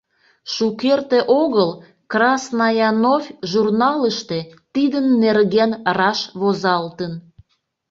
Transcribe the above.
Шукерте огыл «Красная новь» журналыште тидын нерген раш возалтын.